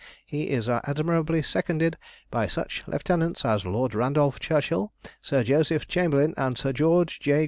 He is admirably seconded by such lieutenants as Lord Randolph Churchill, Sir Joseph Chamberlain, and Sir George J.